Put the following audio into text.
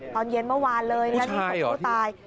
ตอนเย็นเมื่อวานเลยผู้ชายหรอ